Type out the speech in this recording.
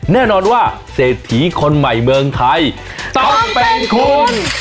แน่นอนว่าเศรษฐีคนใหม่เมืองไทยต้องเป็นคน